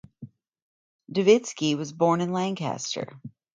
Duvitski was born in Lancaster.